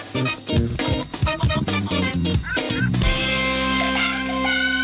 โปรดติดตามตอนต่อไป